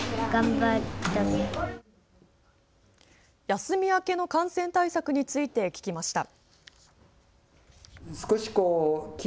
休み明けの感染対策について聞きました。